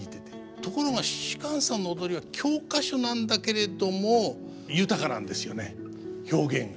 ところが芝さんの踊りは教科書なんだけれども豊かなんですよね表現が。